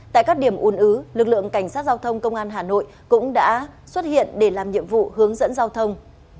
tại các điểm ùn ứ lực lượng cảnh sát giao thông công an hà nội cũng đã xuất hiện để làm nhiệm vụ hướng dẫn giao thông